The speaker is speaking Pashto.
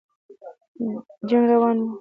جنګ روان وو.